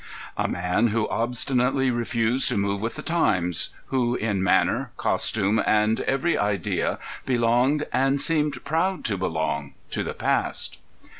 A man who obstinately refused to move with the times, who in manner, costume, and every idea belonged, and seemed proud to belong, to the past.